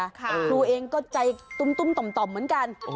ครูเองก็ใจตุ้มต่อมเหมือนกัน